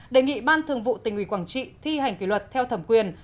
đề nghị ban thường vụ tỉnh ủy quảng trị thi hành kỷ luật theo thẩm quyền